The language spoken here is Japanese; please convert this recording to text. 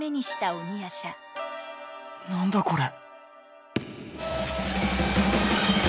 「何だこれ」。